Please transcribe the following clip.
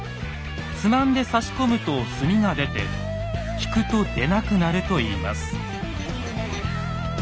つまんで差し込むと墨が出て引くと出なくなるといいます。